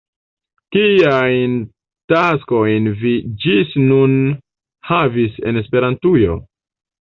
Kiajn taskojn vi ĝis nun havis en Esperantujo?